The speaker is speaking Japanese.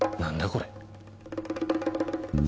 これ。